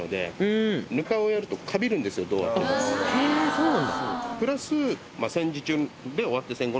そうなんだ。